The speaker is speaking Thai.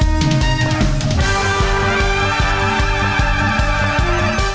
ขอบคุณมาก